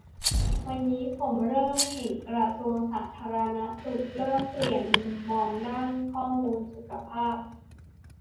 วันนี้ผมเริ่มเห็นกระทรวงสาธารณสุขเริ่มเปลี่ยนมุมมองด้านข้อมูลสุขภาพ